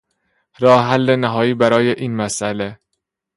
راه حل نهایی برای این مسئله